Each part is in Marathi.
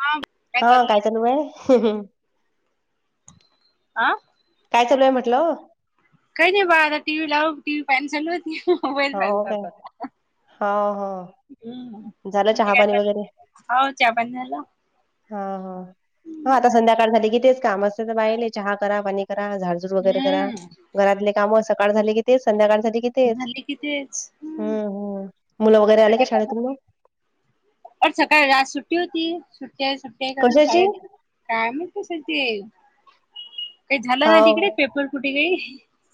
हा हा चाललंय काय चालूये? आ. काय चालूये म्हटलं? काही नाही बा आता. टी व्ही लावून टी व्ही पान चांलूयेत. मोबाईल [unintelligible] हो काय हो हो हम्म, झालं तुमच चहा काय पाणी चाल? वगैरे हाव चहा पाणी झाला? हा हा. हो आता संध्याकाळ झाली कि तेच काम. अस त्या बायाले चहा करा, पाणी करा. झाड झाड वगरे करा. हम्म घरातले काम सकाळ झाले कि तेच. संध्याकाळ झाली कि तेच. झाली कि तेच हम्म हम्म, मुलं वगैरे आले का शाळेतून? सकाळ आज सुट्टी होती. सुट्टीय सुट्टीय करन कशाची शाळेत. काय माहित कशाच्या? काही झालं हो ना तिकडे. पेपर फूठे गई.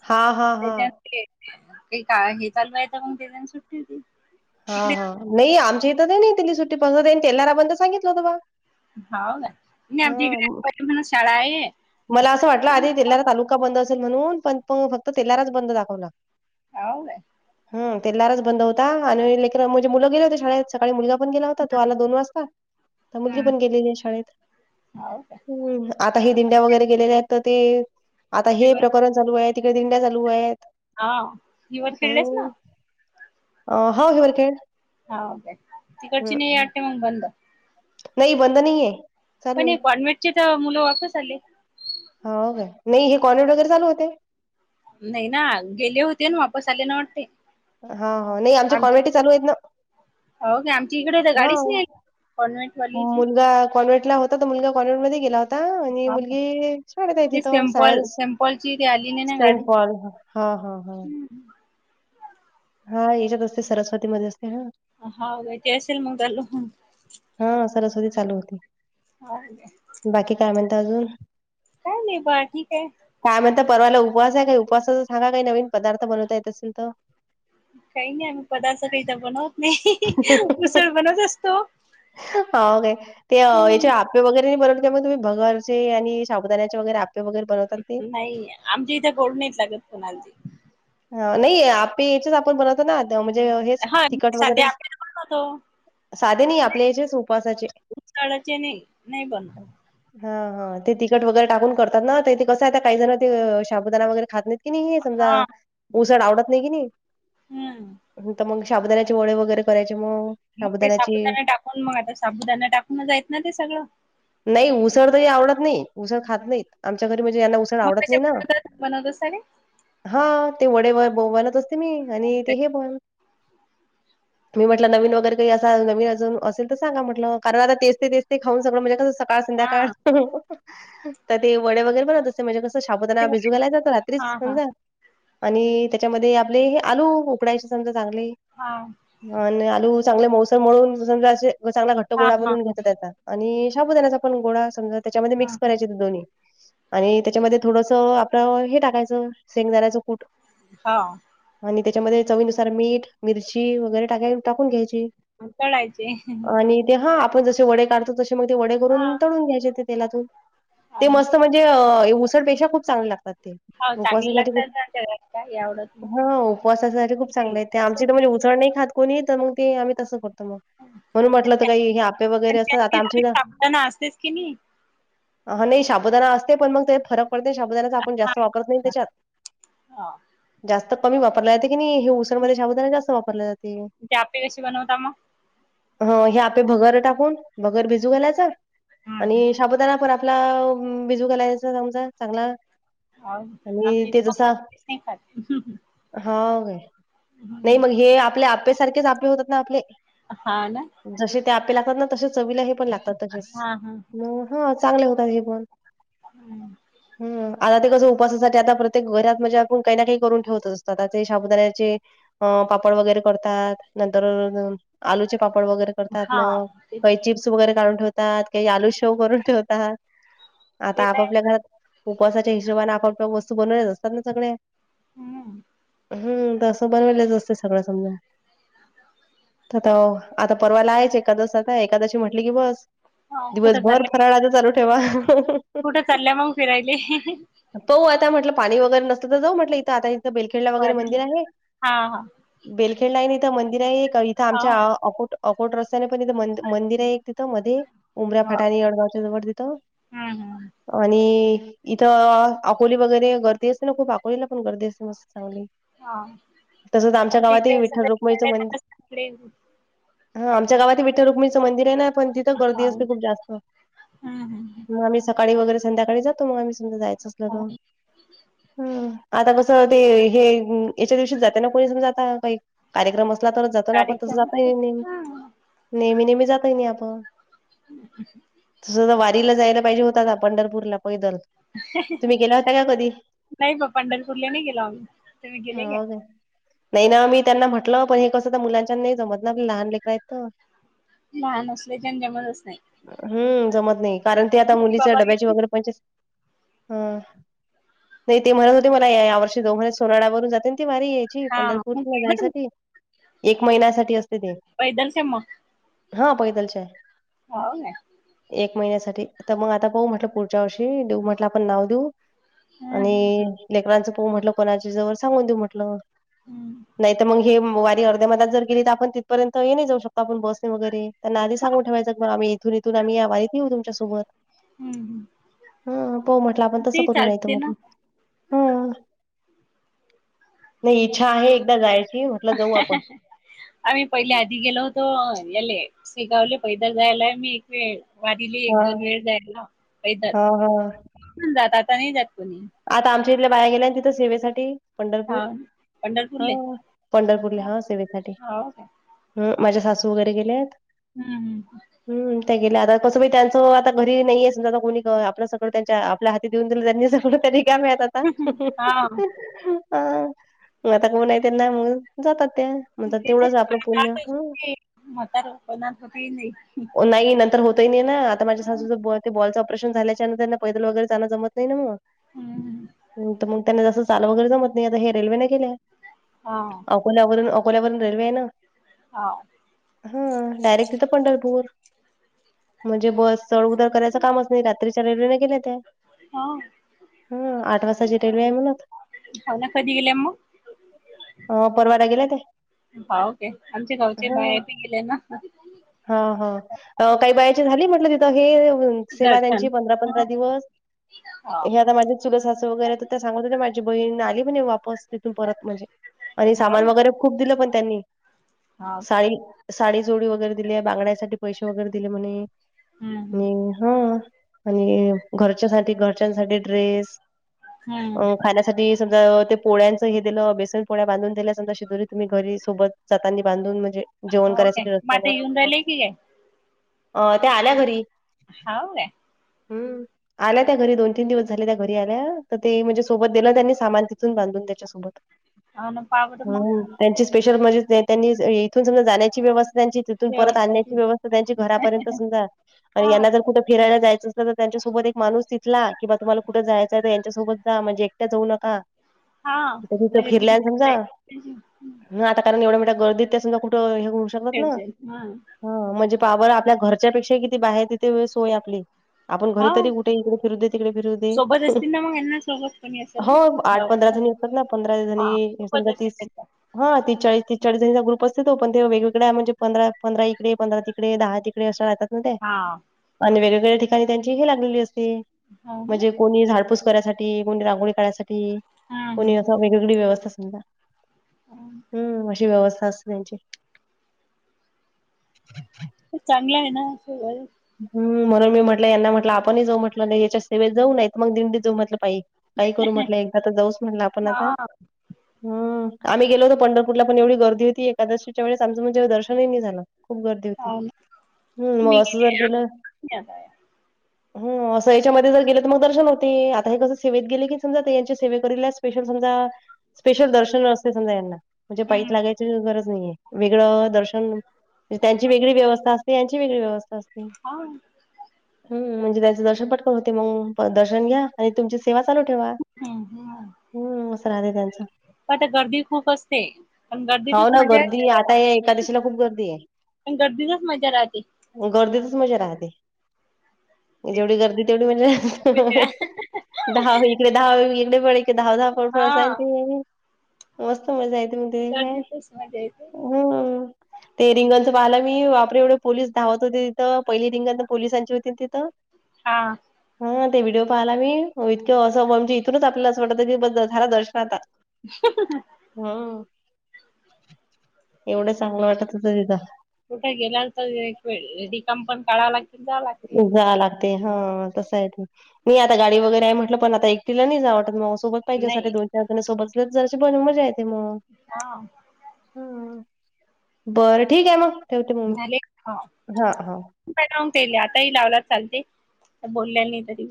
हा हा हा त्याचे असते. हे काय हे चालूयेत मग तेचाण सुट्टी होती. हा तिकडे हा नाही आमच्या इथं नाही दिली सुट्टी. [unintelligible] तेलराबंद सांगितलं होत बा. हाव ना. नाही हा आमच्या म- इकडे [unintelligible] शाळा आहे. मला असं वाटलं आधी तेल्लारा तालुका बंद असेल म्हणून, पण फक्त तेल्लारच बंद दाखवला. हाव बा. हम्म. तेलारच बंद होता. आणि लेकरन म्हणजे मुलं गेले होते शाळेत. सकाळी मुलगा पण गेला होता. तो आला दोन वाजता. त मुलगी पण हम्म. गेलेलीय शाळेत. हाव काय? हम्म, आता हे दिंड वगैरे गेलेल्यात त ते, आता ही हे वर प्रकरण चालूये. तिकडे दिंड्या चालूये. हा हिवरखेडलेस ना? अ हो हिवर खेड. हाव काय? तिकडची नाही वाटत मग बंद. नाही बंद नाहीये. चालू पण आहे. हे कॉन्व्हेटची त मुलं वापस आले. हो काय? नाही हे कॉलेड वगैरे चालू होते. नाही ना. गेले होतेन वापस आले ना वाटते. हा हा. नाही आमच्या कॉमेटी चालूयेत ना. हाव काय? आमच्या इकडे तर गाडीच नाही आली. हां. कॉन्व्हेंट वालेची. कन्ंमेटला होता तो मुलगा. कन्हेटमध्ये गेला. आता आणि हाव का? मुलगी शाळेते ते तिथं. सेम्पल सायन्स सेम्पलची ते आली नाही ना सेंट गाडी. पॉल हा हा हा. हा याच्यात असते. सरस्वती मध्ये असते हा. हाव काय? ते असेल मग चालू. हा सरस्वती चालू होती. काय? बाकी काय म्हणता अजून? काय नाही. बाकी काय? काय म्हणता. परवाला उपवास आहे काय? उपवासाचा सांगा काही नवीन पदार्थ बनवता येत असेल त. काही नाही आम्ही पदार्थ काहीता बनवत. नाही उसळ बनवत असतो. हाव काय? ते हम्म. येच्या आपे वगरे नाही बनवत काय म तुम्ही. भगर ते आणि शाबूदानाचे वगरे आपे वगरे नाही. आमच्या इथे गोड नाहीेच लागत कोणालची. ह नाही आपे याचेच आपण बनवतो ना. म्हणजे हेच हा तिकट वगैरे साध्या आपल्याला बनवतो साधे नाही आपल्या याच्याच उपवासाचे. उसाळाचे नाही नाही बन हा हा ते तिकट वगैरे टाकून करतात नाथे कसं आहे काही जण ते साबुदाना वगैरे खात नाही. त हे समजा. हा उसड आवडत नाही कि हम्म नाही तर मग शाबदानाचे ओळे वगैरे करायचे मग. मग ते साबुदाण्याची साबुददाानना टाकून मग आता साबुदाना टाकून जा आहेतेत ना ते सगळं. नाही उसड तरी आवडत नाही उसड खात नाहीत. आमच्या घरी म्हणजे यांना उसळ मग आवडत कसे नाही ना. बनवतात बनवत सारे हा ते वडे व बवनत असते मी आणि ते हे ब मी म्हटलं नवीन वगैरे काही असं नवीन अजून असेल तर सांगा म्हटलं. कारण आता तेस्ते तेस्ते खाऊन सगळं म्हणजे कसं सकाळ संध्याकाळ हा तर ते वडे वगैरे बनवत. म्हणजे कसं ते सााबताना भिज घाला जात हा रात्रीच हा सजा. आणि त्याच्यामध्ये आपले हे आलू उकडायचे सजा चांगले. हा. आणि आलू चांगले मोौसळ म्हळून समजा असे चांगला घट्ट हा गोळा हा बनवून घेतात त्याचा. आणि शाबुदानाचा पण गोळा समजा त्याच्यामध्ये मिक्स हा करायचे दोन्ही. आणि त्याच्यामध्ये थोडस आपलं हे टाकायचं सेंग जायचं कुठ. हा. आणि त्याच्यामध्ये चवीनुसार मीठ मिरची वगैरे टाका टाकून घ्यायची. चढायचे. आणि ते हा आपण जसे वडे काढतो तसे मग ते वडे हा करून तडून घ्यायचे ते तेलातून हा ते मस्त म्ह म्हणजे उसडपेशा खूप चांगल्या लागतात ते उपवासासाठी खूप ग का या. हा उपवासासाठी खूप चांगले आहेेत आमची कसं इथ म्हणजे उसडण नाही खात. कोणी येत मग ते आम्ही तसं करतो मग. पण म्हणून म्हटलं तर त्या- काही हे आपे पण वगैरे असतात त्यात ती आता आमचे थोडी उध साबुदाणा असतेच की नाही हा नाही श साबुदाना असते पण मग ते फरक पडते साबुदानाचा आपण हा जास्त वापरत नाही हा त्याच्यात. हा जास्त कमी वापरला जाते कि नाही हे ऊसनमध्ये ाबदना जास्त वापरले जाते. ते आपे कशी बनवता मग. ह हे आपे भगर टाकून भगर भिजू घालायच आणि हम्म. शाबुदार पर. आपला बिजू घालायच लवकर चांगला. आणि आमच्या ते इथे जसा भगर कधी चनही खात. हा का नाही हम्म. मग हे आपले आपेसारखेच आपले होतात ना आपले. हा ना. जसे ते आपे लागतात ना तसे चवीला हे पण लागतात तसेच हा हा. ह चांगले होतात हे पण. हम्म. हम्म आता ते कस उपासासाठी आता प्रत्येक घरात म्हणजे आपण काही ना काही करून ठेवत असतात त्याचे साबुदाण्याचे अ पापड वगैरे करतात नंतर आलूचे पापड वगैरे. करतात हा मग ते काही चिप्स वगैरे काढून ठेवतात काही आलू शेव करून ठेवतात. आता ते तर आपापल्या आहे. घरात उपवासाच्या हिशोबने आपापल्या वस्तू बनवल्याच असतात ना सगळे. हम्. हम् तसं बनवालंच असत सगळं समजा. आता आता परवाला आहेच एकादस आता एकादशी म्हटली की बस. हा कुठं दिवसभर चालल्या मग? फराळा आता चालू ठेवा. कुठं चालल्या मग फिरायले? पाहू आता म्हटलं पाणी वगैरे नसल तर जाऊ म्हटलं इथं आता इथं बेलखेडला वगैरे वारीले? मंदिर आहे. हा हा. बेलखेडला आहे इथं मंदिर आहे. का इथं हो. आमच्या अकोट- अकोट रस्त्याने का नि म मंदिर आहे एक तिथं मधे. उमरा हो. फाटानी अडगावच्या जवळ तिथ. हम्म, हम्म. आणि इथ- - थ -अकोली वगैरे गर्दी असते ना खूप? अकोलीला पण गर्दी असते मस्त. चांगली. हा तसच आमच्या इकडे गावातही विठ्ठल सगळे रखुमाईच मंद- तिकडे हां. आमच्या गावातही विठ्ठल रखुमाईच मंदिर आहे ना. पण तिथं गर्दी हा. असते खूप हम्म, जास्त. हम्म, हं. मग आम्ही सकाळी वगैरे संध्याकाळी जातो म आम्ही - कुठं जायचं असल का. हा हम. आता कसं ते हे याच्या दिवशी जाता ना? कोणी समजा आता काही कार्यक्रम अस- तरच जातो ना? आपण तस कार्यक्रम असते. जातय हा. नेहमी नेहमी जातही नाही आपण. [inaudible] तसं त वारीला जायला पाहिजे होता ना पंढरपूरला पैदल. तुम्ही गेला होता का कधी? नाही बा पंढरपूरला नाही गेलो आम्ही. तुम्ही गेले का? हो काय नाही ना. मी त्यांना म्हटलं पण हे कसं तर मुलांच्याण नाही जमत ना? आप लहान लेकर आहेत त लहान असल्याच्यान जमतच नाही. हम्म. जमत नाही. कारण ते आता मुली मुलीच बाबा डब्याची गेले वगैरे पण- हं. नाही ते म्हणत होते मला या वर्षी दोघ म्हणे. सोनळावरून जाते ना ती वारी? ती हा मग पंढरपूरला पैदल जायसाठी. एक महिन्यासाठी असते ती. पैदल च्या म. हां. पैदलच्या ए. हो ना. एक महिन्यासाठी. तर मग आता पाहू म्हटलं पुढच्या वर्षी. देऊ म्हटलं आपण नाव देऊ. हा आणि लेकरांचं पाहू म्हटलं कोणाच्या जवळ सांगून देऊ म्हटलं. हम्म नाही तर मग हे वारी अर्ध्या मधात जर- गेली तर आपण तिथपर्यंत यानी जाऊ शकतो आपण बसनी वगैरे. त्यांना आधी सांगून ठेवायच बुवा आम्ही इथून इथ - त आम्ही या वारीत येऊ तुमच्यासोबत. हम्म. हम्म. हो म्हटलं. आपण तसं ते करू नाही त चालते म्हटलं. ना हा. नाही इच्छा आहे एकदा जायची- [inaudible] जाऊ आपण आम्ही पहिले आधी गेलो होतो याले, शे गावले पैदल जायेल ए मी एक वेळ. वारीले एक हा दोन वेळ जायेल पैदल. हा हा [unintelligible] आता नाही जात कोणी. आता आमच्या इथल्या बाया गेल्या ना तिथं सेवेसाठी. पंढरपूर. हा पंढरपूरले हां. पंढरपूरला. हां. सेवेसाठी. हो काय हं. माझ्या सासू वगैरे गेल्यात. हम्म. हम. हम. त्या गेल्या. आता कसं त्यांचं आता घरी नाहीे समजा कोणी आपल्या- त्यांच्या आपल्या हाती देऊन दिलं त्यांनी सगळ. त्या रिकाम्या एत आता. हम्म. हा हा. मग आता कोण ए त्यांना मग? जातात त्या. म्हणतात तेवढंच आपलं पुण्य. हं. म्हतार पण [unintelligible] ओ, नाही. नंतर होत ही नाही ना? आता माझ्या सासूचं ते बॉलचं ऑपरेशन झाल्याच्यानंतर त्या - पैदल वगैरे जायला जमत नाही म. हम्म. हं. म त्यांना तसच- जायला वगैरे जमत नाही. आता हे रेल्वेने गेल्या. हा अकोल्यावरून अकोल्यावरून रेल्वे आहे ना हा ह डायरेक्ट तिथं पंढरपूर म्हणजे बस चड उतर करायचं कामच नाही रात्रीच्या रेल्वेने गेल्या त्या हाव हू आठ वाजताची रेल्वे आहे म्हणंत शान्या कधी गेल्यां मग अ परवाला गेल्यां त्या हां ओके आमचे गावचे हा. बाया बी गेल्यां ना हा हा काय वयाची झाली म्हटलं तिथं हे सेवा दर्शन त्यांची पंधरा पंधरा दिवस हाव हे आता माझे चुलत सासू वगैरे तर त्या सांगत होते माझी बहीण आली म्हणे वापस तिथून परत म्हणजे आणि सामान हाव वगैरे खूप दिलं पण त्यांनी हाव काय साडी साडी चोळी वगैरे दिली बांगड्यासाठी पैसे वगैरे दिले म्हणे हम्म आणि हा आणि घरच्यासाठी घरच्यांसाठी ड्रेस हम्म खाण्यासाठी ते सगळं ते पोळ्यांचं हे दिलं बेसन पोळ्या बांधून दिल्या समजा शिदोरी तुम्ही घरी सोबत जातांनी बांधून म्हणजे जेवण करायसाठी रस्त्यानं चालले की काय अ त्या आल्या घरी हाव काय हू आल्या त्या घरी दोन तीन दिवस झाल त्या घरी आल्या तर ते म्हणजे सोबत दिलं त्यांनी सामान तिथून बांधून तेन त्यांचा सोबत अ ना पावड म त्यांची स्पेशल म्हणजे नाही त्यांनी इथून सगळ जाण्याची व्यवस्था त्यांची तिथून परत व्यवस्था ती आणण्याची व्यवस्था त्यांची घरापर्यंत समजा आणि हा यांना जर कुठं फिरायला जायचं तर त्यांच्यासोबत एक माणूस तिथला कि बा तुम्हाला कुठ जायचय तर यांच्यासोबत जा म्हणजे एकट्या जाऊ नका हा तिथं माझ्या जिम फिरल्यान समजा आता कारण एवढ्या मोठ गर्दीत त्या समजा कुठं हे होऊ त्यांचे हा हा म्हणजे पहा बरं आपल्या घरच्यापेक्षाही किती बाहेर तिथे सोयय आपली आपण घरी हा तरी कुठे इकडे फिरू दे तिकडे फिरू दे सोबत असतील ना मग यांना सोबत कोणी असेल हो ना आठ गावातल्या पंधरातुनी समजा पंधरा दिसानी हा नाही सोबत समजा असेल तीस त्यांच्या हा तीसचाळीस तीसचाळी जणीचा ग्रुप असतो तो पण ते वेगवेगळ्या म्हणजे पंधरा पंधरा इकडे पंधरा तिकडे दहा तिकडे अशा राहतात ना त्या हा आणि वेगवेगळ्या ठिकाणी त्यांची ही लागलेली असते हो ना म्हणजे कोणी झाडपूस करायसाठी कोणी रांगोळी काढयसाठी हा कोणी असा वेगवेगळी व्यवस्था समजा हा हू अशी व्यवस्था असते त्यांची चांगला आहे ना हू म्हणून मी म्हटलं यांना म्हटलं आपणही जाऊ म्हटलं नाही याच्या सेवेत जाऊ नाहीत मग दिंडी जाऊ म्हटलं पाई काही करू म्हटलं एकदा तर जाऊच म्हटलं आपण हा आता हू आम्ही गेलो होतो पंढरपुरला पण एवढ गर्दी होती एकादशीच्या वेळेस आमंच म्हणजे दर्शनही नाही झालं खूप गर्दी होती हाव ना हू मग मी असं जर गेलं हा हो अस ईच्या मध्ये जर गेले तर मग दर्शन होते आता हे कस सेवेत गेले की समजा ते यांची सेवेकरीलाच स्पेशल समजा स्पेशल दर्शन असते समजा यांना म्हणजे [inaudible] हम्म लागायची गरज नाहीये. वेगळं दर्शन त्यांची वेगळी व्यवस्था असते यांची वेगळी व्यवस्था असते. हम्. म्हणजे त्याचं दर्शन पटकन होते मग दर्शन घ्या. आणि तुमची सेवा चालू ठेवा हम् असं राह त्यांचं. [inaudible] गर्दी खूप असते पण गर्दीतच हो ना मजा गर्दी आता या असते. एकादशीला खूप गर्दी आहे. पण गर्दीचाच मजा राहते. गर्दीतच मजा राहते. जेवढी गर्दी तेवढी म्हणजे दहा होई. दहा वकडे पडे क दहा दहा पडफ हा असयल ते. मस्त मजा येते म त काय. गर्दीतच मजा येते हमम ते रिंगांचं पाहायला मी वापरे एवढे पोलीस धावत. तिथं पहिली रिंगण पोलिसांची होती तिथं. हा. हा. ते व्हिडिओ पाहायला मी इतकं असं म्हणजे इथूनच आपल्याला असं वाटत की ब झाला दर्शन आता. [inaudible] हा एवढं चांगलं वाटत होत तिथं. कुठे गेल्या तर रिकम पण काढवा लागतील जाव लाग. [inaudible] लागते हा तस आहेे ते. मी आता गाडी वगैरे आहे म्हटलं पणता एकटीला नाही जावटत म माझ सोबत. पाहिजे सा नाही दोन चार जण सोबत अस तर जशीण मजा ये म्हणून. अच्छा. बरं ठीक आहे मग ठेवते मग हा हा. [inaudible] तेले आताही लावला चालते बोलल्यानी तरी.